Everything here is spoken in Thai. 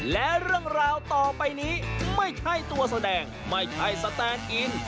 และเรื่องราวต่อไปนี้ไม่ใช่ตัวแสดงไม่ใช่สแตนอิน